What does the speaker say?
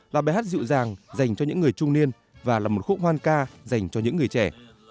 là bài hát dịu dàng dành cho những người trung niên và là một khúc hoan ca dành cho những người trẻ